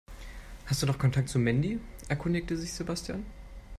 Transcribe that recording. Hast du noch Kontakt zu Mandy?, erkundigte sich Sebastian.